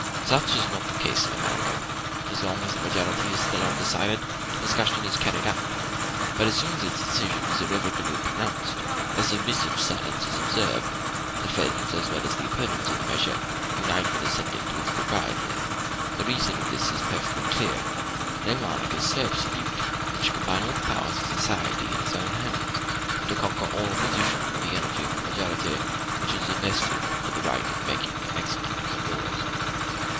Such is not the case in America; as long as the majority is still undecided, discussion is carried on; but as soon as its decision is irrevocably pronounced, a submissive silence is observed, and the friends, as well as the opponents, of the measure unite in assenting to its propriety. The reason of this is perfectly clear: no monarch is so absolute as to combine all the powers of society in his own hands, and to conquer all opposition with the energy of a majority which is invested with the right of making and of executing the laws.